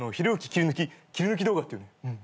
切り抜き切り抜き動画っていう。